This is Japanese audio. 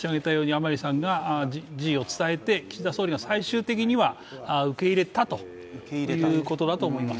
甘利さんが辞意を伝えて、岸田総理が最終的には受け入れたということだと思います。